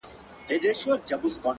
تا ولې د وطن ځمکه لمده کړله په وينو!!